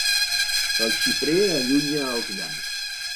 El xiprer allunya els llamps.